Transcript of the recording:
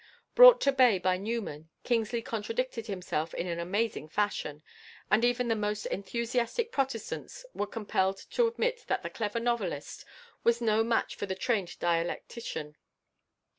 Brought to bay by Newman, Kingsley contradicted himself in an amazing fashion, and even the most enthusiastic Protestants were compelled to admit that the clever novelist was no match for the trained dialectician.